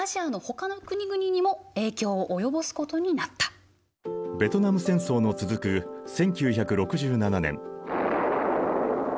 そしてベトナム戦争の続く１９６７年。